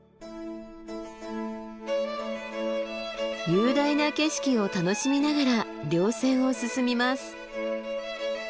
雄大な景色を楽しみながら稜線を進みます。